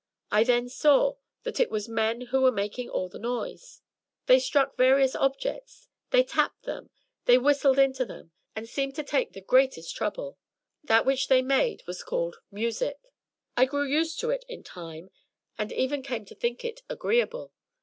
I then saw that it was men who were making all this noise. They struck various objects — ^they tapped them — ^they whistled into them — and seemed to take the greatest trouble! That which they made was called ''Music'' I grew used to it in time, and even came to think it agreeable.